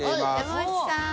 山内さん。